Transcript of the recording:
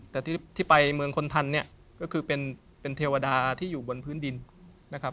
แต่ที่ไปเมืองคนทันเนี่ยก็คือเป็นเทวดาที่อยู่บนพื้นดินนะครับ